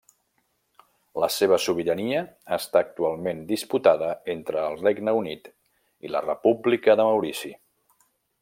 La seva sobirania està actualment disputada entre el Regne Unit i la República de Maurici.